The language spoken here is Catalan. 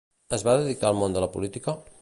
Es va dedicar al món de la política?